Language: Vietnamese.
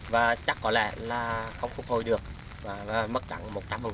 và chắc có lẽ là không phục hồi được và mất đẳng một trăm linh